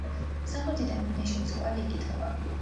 სამხრეთიდან მინაშენის კვალი იკითხება.